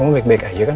kamu baik baik aja kan